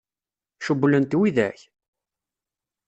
Cewwlen-t widak?